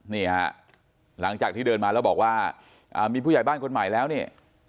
นี่ฮะหลังจากที่เดินมาแล้วบอกว่ามีผู้ใหญ่บ้านคนใหม่แล้วเนี่ย